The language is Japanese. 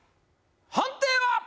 判定は？